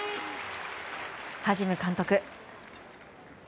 ハジム監督。